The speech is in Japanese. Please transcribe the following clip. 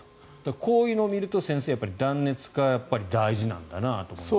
こういうのを見ると先生断熱化は大事なんだなと。